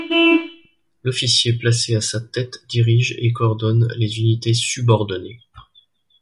L'officier placé à sa tête dirige et coordonne les unités subordonnées.